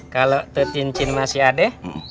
kalau itu cincin masih ada